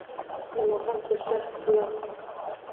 د مغان پر در الله اکبر کړم